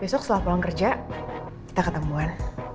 besok setelah pulang kerja kita ketemuan